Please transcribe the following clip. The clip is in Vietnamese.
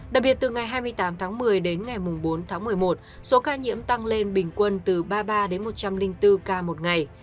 đặc biệt từ ngày hai mươi tám tháng một mươi đến ngày bốn tháng một mươi một số ca nhiễm tăng lên bình quân từ ba mươi ba đến một trăm linh bốn ca một ngày